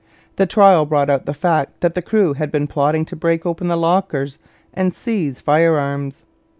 The trial brought out the fact that the crew had been plotting to break open the lockers and seize firearms.